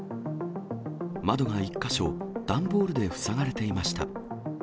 窓が１か所、段ボールで塞がれていました。